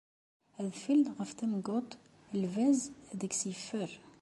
Adfel ɣef temguṭ, lbaz deg-s yeffer.